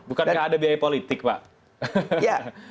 bukankah ada biaya politik pak